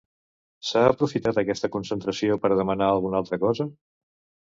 S'ha aprofitat aquesta concentració per a demanar alguna altra cosa?